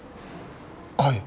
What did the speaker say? はい。